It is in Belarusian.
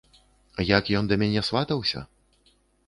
Як ён да мяне сватаўся?